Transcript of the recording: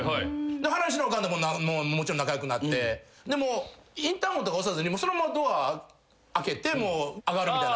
原西のおかんとももちろん仲良くなってインターホンとか押さずにそのままドア開けて上がるみたいな。